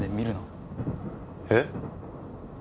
えっ？